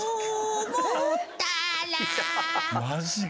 マジか。